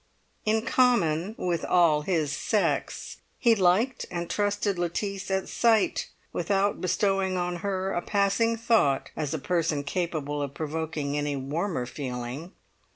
In common with all his sex, he liked and trusted Lettice at sight, without bestowing on her a passing thought as a person capable of provoking any warmer feeling.